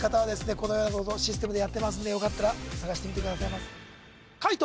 このようなことをシステムでやってますんでよかったら探してみてくださいませ解答